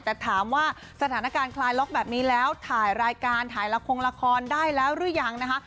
แต่ถามว่าสถานการณ์คลายล็อกแบบนี้แล้วถ่ายรายการถ่ายละครละครได้แล้วหรือยังนะคะ